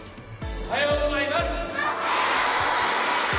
おはようございます。